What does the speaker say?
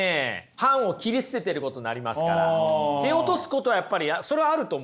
反を切り捨ててることになりますから蹴落とすことはやっぱりそれはあると思うんですよ。